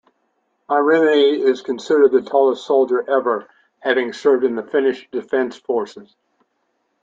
Myllyrinne is considered the tallest soldier ever, having served in the Finnish Defence Forces.